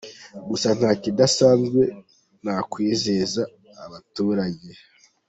gusa nta kidasanzwe nakwizeza abaturage.